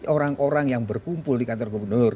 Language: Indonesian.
orang orang yang berkumpul di kantor gubernur